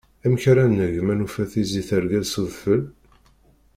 Amek ara neg ma nufa tizi tergel s udfel?